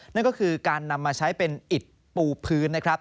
นั่นก็คือการนำมาใช้เป็นอิดปูพื้นนะครับ